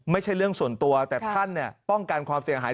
ไม่ใช่เรื่องส่วนตัวแต่ท่านป้องกันความเสียหาย